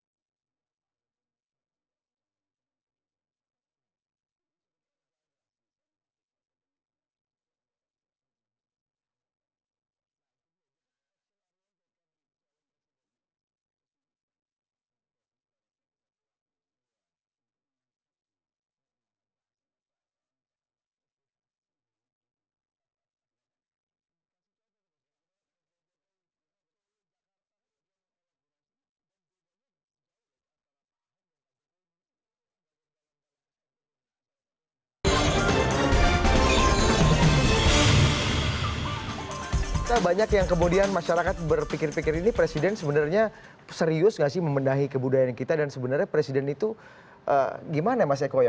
saya banyak kemudian yang masyarakat berpikir pikir ini presiden sebenarnya serius nggak sih memendahi kebudayaan kita dan sebenarnya presiden itu gimana mas eko ya